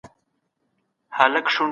د معلوماتو تحلیل په ساده ژبه ترسره کړئ.